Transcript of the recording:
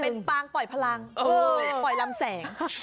เป็นปางปล่อยพลังปล่อยลำแสง